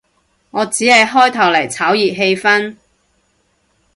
我只係開頭嚟炒熱氣氛